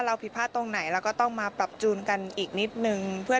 ผิดพลาดตรงไหนเราก็ต้องมาปรับจูนกันอีกนิดนึงเพื่อ